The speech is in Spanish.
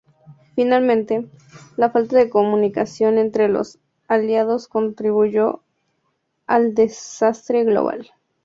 Finalmente, la falta de comunicación entre los aliados contribuyó al desastre global.